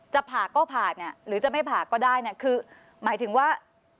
จะผ่าก็ผ่าหรือจะไม่ผ่าก็ได้คือหมายถึงว่า